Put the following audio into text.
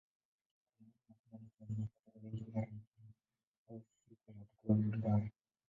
Kwa maana hakuna mtu aliyepata ugonjwa mara ya pili, au si kwa matokeo mbaya.